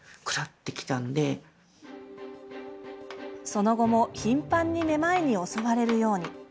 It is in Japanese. その後も頻繁にめまいに襲われるように。